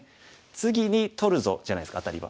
「次に取るぞ」じゃないですかアタリは。